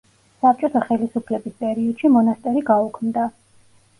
საბჭოთა ხელისუფლების პერიოდში მონასტერი გაუქმდა.